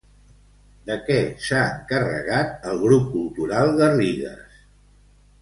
De què s'ha encarregat el Grup Cultural Garrigues?